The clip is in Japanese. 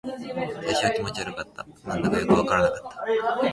最初は気持ち悪かった。何だかよくわからなかった。